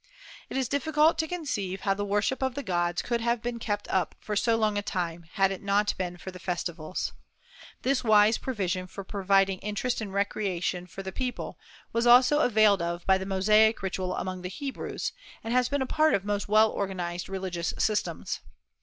It is difficult to conceive how the worship of the gods could have been kept up for so long a time, had it not been for the festivals. This wise provision for providing interest and recreation for the people was also availed of by the Mosaic ritual among the Hebrews, and has been a part of most well organized religious systems.